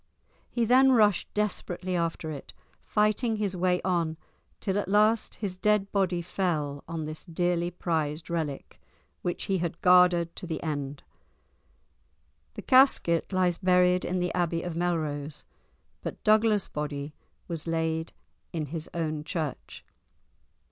He then rushed desperately after it, fighting his way on till at last his dead body fell on this dearly prized relic, which he guarded to the end. The casket lies buried in the Abbey of Melrose, but Douglas's body was laid in his own church.